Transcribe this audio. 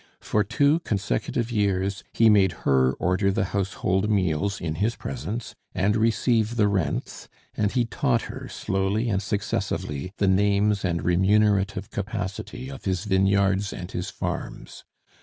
For two consecutive years he made her order the household meals in his presence and receive the rents, and he taught her slowly and successively the names and remunerative capacity of his vineyards and his farms.